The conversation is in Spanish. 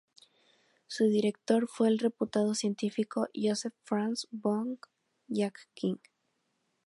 Su director fue el reputado científico Joseph Franz von Jacquin.